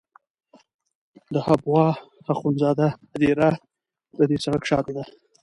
د حبو اخند زاده هدیره د دې سړک شاته ده.